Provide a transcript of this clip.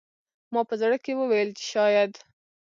ما په زړه کې وویل چې شاید